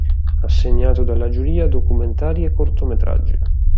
Assegnato dalla giuria "Documentari e cortometraggi".